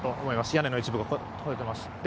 屋根の一部が壊れています。